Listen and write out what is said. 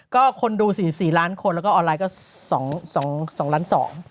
ก็คนดู๔๔ล้านคนแล้วก็ออนไลน์ก็๒ล้าน๒